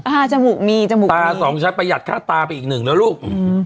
จมูกมีจมูกตาสองชั้นประหยัดค่าตาไปอีกหนึ่งแล้วลูกอืม